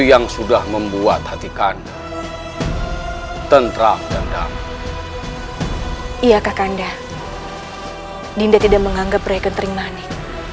yang sudah membuat hatikan tentram dan damai iya kakanda dinda tidak menganggap mereka kering manik